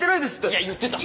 いや言ってたし。